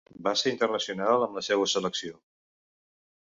Va ser internacional amb la seua selecció.